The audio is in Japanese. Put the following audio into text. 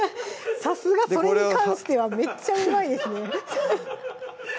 さすがそれに関してはめっちゃうまいですね